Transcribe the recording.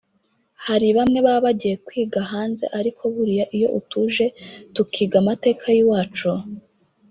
hari bamwe baba bagiye kwiga hanze ariko buriya iyo tuje tukiga amateka y’iwacu